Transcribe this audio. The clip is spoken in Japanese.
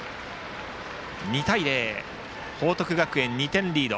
２対０、報徳学園２点リード。